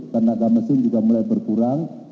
tenaga mesin juga mulai berkurang